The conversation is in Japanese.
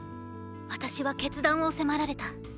私は決断を迫られた。